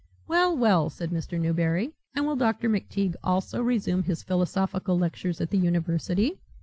"Well, well," said Mr. Newberry, "and will Dr. McTeague also resume his philosophical lectures at the university?"